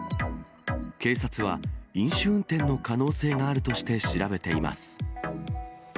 警察は、飲酒運転の可能性があるとして調べています。